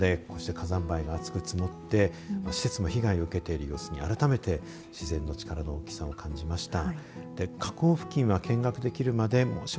去年１０月の噴火で火山灰が厚く積もって施設も被害を受けている様子に改めて自然の力の大きさを感じました。